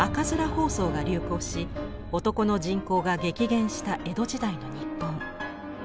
疱瘡が流行し男の人口が激減した江戸時代の日本。